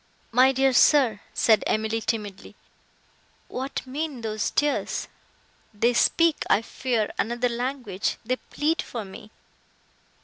"My dear sir," said Emily, timidly, "what mean those tears?—they speak, I fear, another language—they plead for me."